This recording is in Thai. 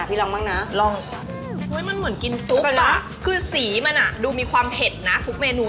พี่ลองบ้างนะลองมันเหมือนกินซุปคือสีมันอ่ะดูมีความเผ็ดนะทุกเมนู